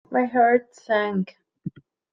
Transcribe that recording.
My heart sank.